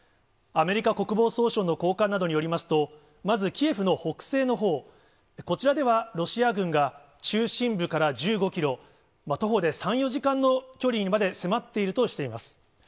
アメリカ国防総省の高官などによりますと、まずキエフの北西のほう、こちらではロシア軍が中心部から１５キロ、徒歩で３、４時間の距離にまで迫っているとしています。